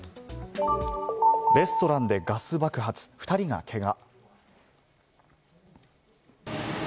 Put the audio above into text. レストランでガス爆発、２人がけが。